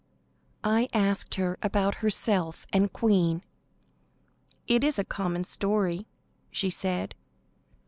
I asked her about herself and Queen. "It is a common story," she said.